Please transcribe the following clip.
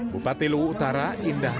bupati luhutara indah